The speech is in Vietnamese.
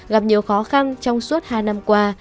gặp nhiều khó khăn trong suốt hai năm qua